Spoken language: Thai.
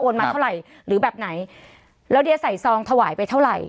มาเท่าไหร่หรือแบบไหนแล้วเดียใส่ซองถวายไปเท่าไหร่